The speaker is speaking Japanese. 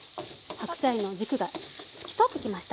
白菜の軸が透き通ってきました。